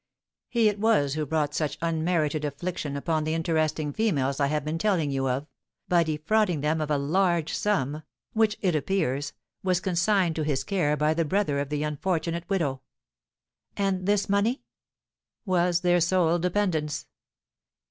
He it was who brought such unmerited affliction upon the interesting females I have been telling you of, by defrauding them of a large sum, which, it appears, was consigned to his care by the brother of the unfortunate widow." "And this money?" "Was their sole dependence."